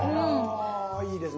あいいですね。